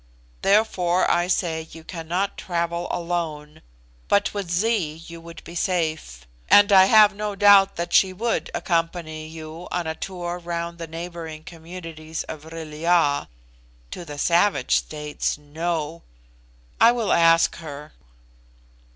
Therefore I say you cannot travel alone, but with Zee you would be safe; and I have no doubt that she would accompany you on a tour round the neighbouring communities of Vril ya (to the savage states, No!): I will ask her."